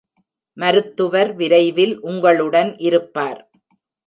மருத்துவர் விரைவில் உங்களுடன் இருப்பார்.